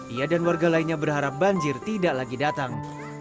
ia dan warga lainnya berharap banjir tidak lagi datang